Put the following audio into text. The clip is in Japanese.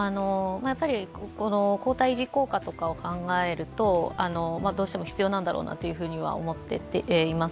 抗体効果とかを考えるとどうしても必要なんだろうと思っています。